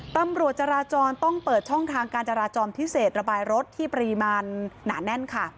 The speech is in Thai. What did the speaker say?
ตำรวจจราจรต้องเปิดช่องทางการจราจรพิเศษระบายรถที่ปริมาณหนาแน่นค่ะ